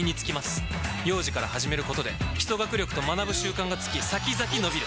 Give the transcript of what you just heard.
幼児から始めることで基礎学力と学ぶ習慣がつき先々のびる！